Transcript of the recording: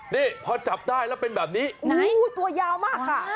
นี่พอจับได้แล้วเป็นแบบนี้ไหนตัวยาวมากค่ะ